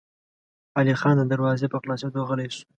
علی خان د دروازې په خلاصېدو غلی شو.